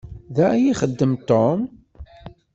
Da ay ixeddem Tom?